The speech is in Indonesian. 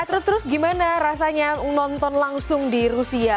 terus terus gimana rasanya nonton langsung di rusia